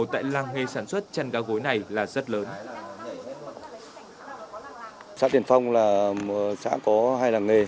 tại làng nghề sản xuất chăn ga gối này là rất lớn